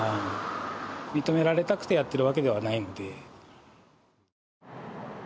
認められたくてやっているわけではないので。